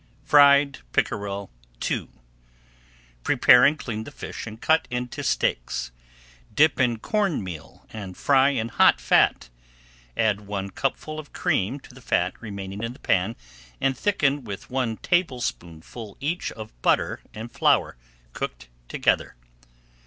FRIED PICKEREL II Prepare and clean the fish and cut into steaks. Dip in corn meal and fry in hot fat. Add one cupful of cream to the fat remaining in the pan and thicken with one tablespoonful each of butter and flour cooked together.